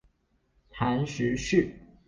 談時事